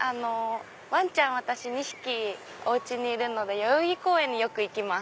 ワンちゃん私２匹おうちにいるので代々木公園によく行きます。